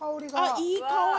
いい香り！